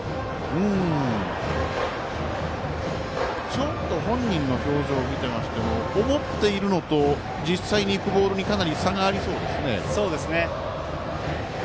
ちょっと本人の表情を見ていますと思っているのと実際にいくボールにかなり差がありそうですね。